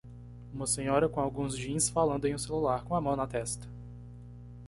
Uma senhora com alguns jeans falando em um celular com a mão na testa